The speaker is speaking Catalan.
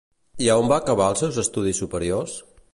I a on va acabar els seus estudis superiors?